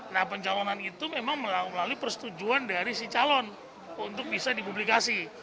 nah pencalonan itu memang melalui persetujuan dari si calon untuk bisa dipublikasi